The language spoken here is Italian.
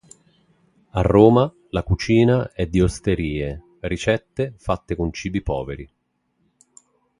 A Roma la cucina è di osterie, ricette fatte con cibi poveri.